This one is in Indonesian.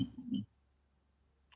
saya kira enggak lah